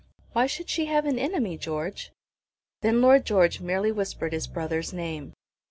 "Why should she have an enemy, George?" Then Lord George merely whispered his brother's name.